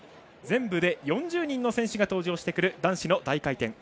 全部で４０人の選手が登場してくる男子の大回転。